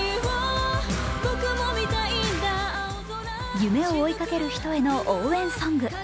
夢を追いかける人への応援ソング。